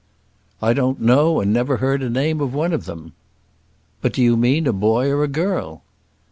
"I don't know, and never heard the name of one of them." "But do you mean a boy or a girl?"